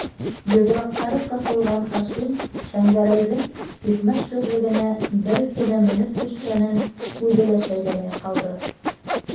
- Йоҙроҡтары ҡыҫылған Хашим Шәңгәрәйҙең икмәк шүрлегенә бер-икене менеп төшкәнен үҙе лә шәйләмәй ҡалды.